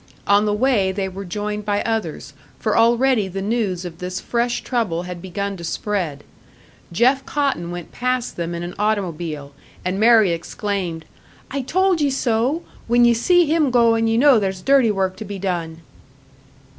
On the way they were joined by others for already the news of this fresh trouble had begun to spread. Jeff Cotton went past them in an automobile, and Mary exclaimed, "I told ye so! When ye see him goin', ye know there's dirty work to be done!"